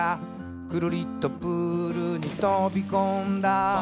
「クルリとプールにとびこんだ」